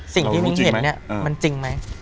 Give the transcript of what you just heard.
สิ่งที่มิ้งเห็นมันจริงไหม